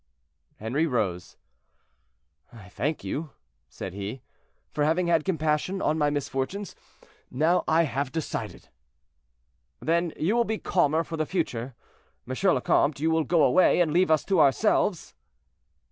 Henri rose. "I thank you," said he, "for having had compassion on my misfortunes; now I have decided." "Then you will be calmer for the future. M. le Comte, you will go away, and leave us to ourselves?"